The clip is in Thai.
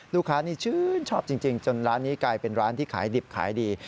ลูกค้านี่ชื่นชอบจริงจนร้านนี้กลายเป็นร้านที่ขายดิบขายดี